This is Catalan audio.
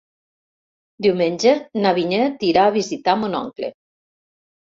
Diumenge na Vinyet irà a visitar mon oncle.